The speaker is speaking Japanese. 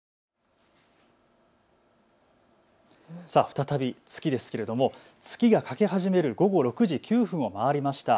再び月ですけれども月が欠け始める午後６時９分を回りました。